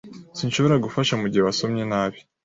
Sinshobora gufasha mugihe wasomye nabi